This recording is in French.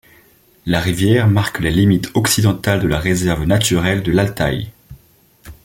La rivière marque la limite occidentale de la réserve naturelle de l'Altaï.